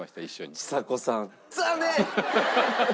ちさ子さん残念！